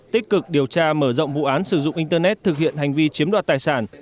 tích cực điều tra mở rộng vụ án sử dụng internet thực hiện hành vi chiếm đoạt tài sản